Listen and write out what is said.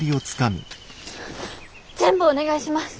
全部お願いします！